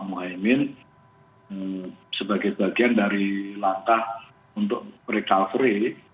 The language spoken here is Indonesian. mohaimin sebagai bagian dari langkah untuk recovery